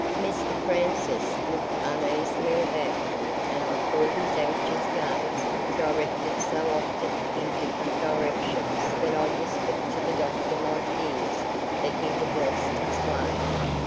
Mr Francis looked uneasily about, and I caught his anxious gaze directed so often in different directions that I whispered to the doctor my fears that he had lost his way.